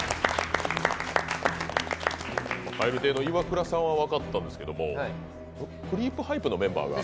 蛙亭のイワクラさんは分かったんですけどクリープハイプのメンバーが？